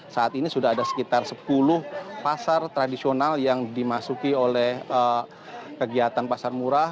saat ini sudah ada sekitar sepuluh pasar tradisional yang dimasuki oleh kegiatan pasar murah